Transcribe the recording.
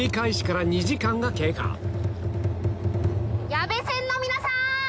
矢部船の皆さん！